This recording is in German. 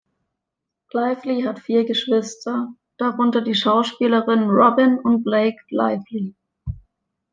Lively hat vier Geschwister, darunter die Schauspielerinnen Robyn und Blake Lively.